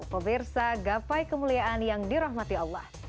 pemirsa gapai kemuliaan yang dirahmati allah